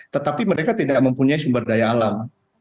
tetapi mereka tidak mempunyai sumber daya alam